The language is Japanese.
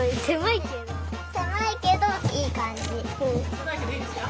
せまいけどいいですか？